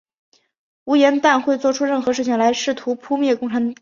吴廷琰会作出任何事情来试图扑灭共产革命。